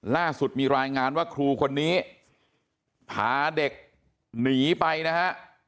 ล่าสุดมีรายงานว่าครูคนนี้พาเด็กหนีไปนะฮะ